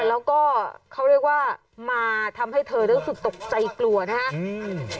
แล้วก็เขาเรียกว่ามาทำให้เธอรู้สึกตกใจกลัวนะครับ